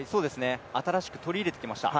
新しく取り入れてきました。